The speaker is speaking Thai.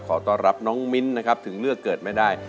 ขอต้อนรับน้องมิ้นนะครับถึงเลือกเกิดไม่ได้